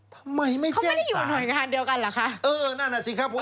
ทำไมไม่แจ้งสารเขาไม่ได้อยู่หน่วยงานเดียวกันเหรอคะ